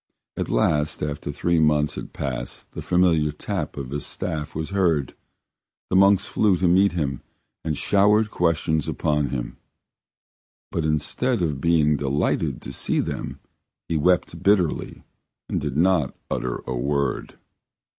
At last after three months had passed the familiar tap of his staff was heard. The monks flew to meet him and showered questions upon him, but instead of being delighted to see them he wept bitterly and did not utter a word.